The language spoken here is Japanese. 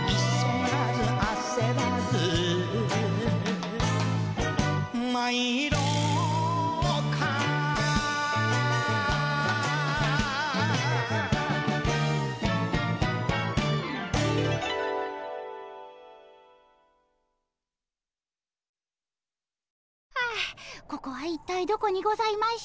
はあここは一体どこにございましょう。